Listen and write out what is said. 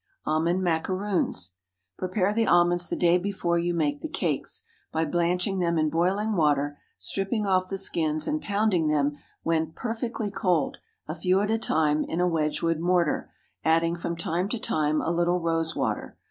ALMOND MACAROONS. Prepare the almonds the day before you make the cakes, by blanching them in boiling water, stripping off the skins, and pounding them when perfectly cold—a few at a time—in a Wedgewood mortar, adding from time to time a little rose water.